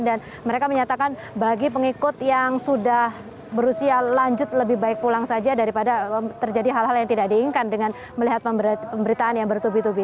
dan mereka menyatakan bagi pengikut yang sudah berusia lanjut lebih baik pulang saja daripada terjadi hal hal yang tidak diinginkan dengan melihat pemberitaan yang bertubi tubi